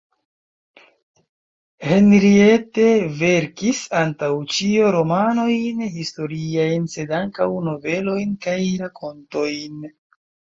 Henriette verkis antaŭ ĉio romanojn historiajn sed ankaŭ novelojn kaj rakontojn.